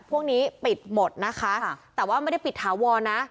พวกนี้ปิดหมดนะคะแต่ว่าไม่ได้ปิดถาวรนะ